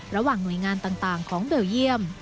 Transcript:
ระหว่างหน่วยงานต่างของเบลเยี่ยม